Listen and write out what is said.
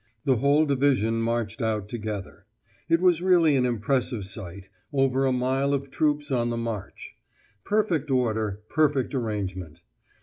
The whole division marched out together. It was really an impressive sight, over a mile of troops on the march. Perfect order, perfect arrangement.